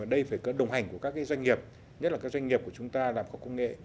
do doanh nghiệp của chúng ta làm có công nghệ